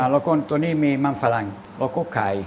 และตัวนี้มีมัมฟรังและไก่